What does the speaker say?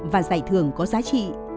và giải thưởng có giá trị